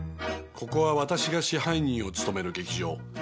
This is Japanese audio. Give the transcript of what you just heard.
ここは私が支配人を務める劇場。